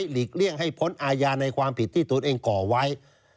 หรืออีกเรื่องให้พ้นอาญาในความผิดที่ตนเองก่อไว้